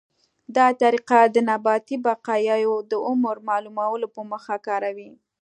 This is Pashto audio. دا طریقه د نباتي بقایاوو د عمر معلومولو په موخه کاروي.